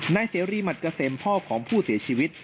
นายเสรีมัตกะเสนพ่อของผู้เสียชีวิต